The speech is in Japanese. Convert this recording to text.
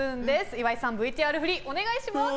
岩井さん、ＶＴＲ振りお願いします！